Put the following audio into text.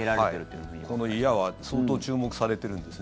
この祖谷は相当注目されているんですね。